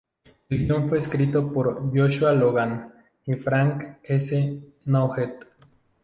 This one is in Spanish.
El guion fue escrito por Joshua Logan y Frank S. Nugent.